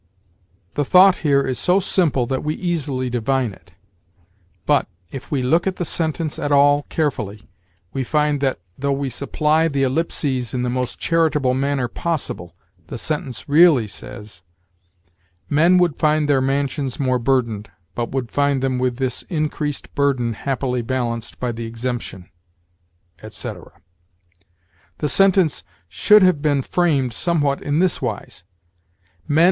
The thought here is so simple that we easily divine it; but, if we look at the sentence at all carefully, we find that, though we supply the ellipses in the most charitable manner possible, the sentence really says: "Men would find their mansions more burdened, but would find them with this increased burden happily balanced by the exemption," etc. The sentence should have been framed somewhat in this wise: "Men